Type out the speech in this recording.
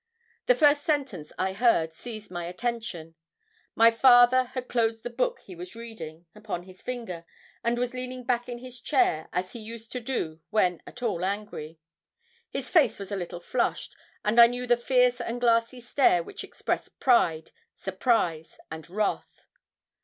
The first sentence I heard seized my attention; my father had closed the book he was reading, upon his finger, and was leaning back in his chair, as he used to do when at all angry; his face was a little flushed, and I knew the fierce and glassy stare which expressed pride, surprise, and wrath.